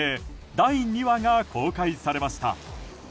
第２話が公開されました。